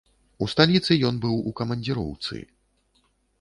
У сталіцы ён быў у камандзіроўцы.